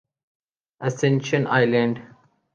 ascension island